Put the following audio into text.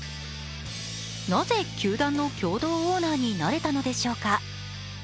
なぜ球団の共同オーナーになれたのでしょうか。